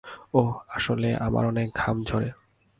ওহ, আসলে আমার অনেক ঘাম ঝরে।